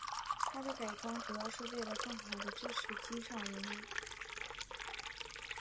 其它改装主要是为了更好地支持机上人员。